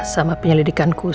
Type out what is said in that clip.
sama penyelidikan kususnya